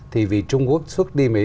thì vì trung quốc xuất đi mỹ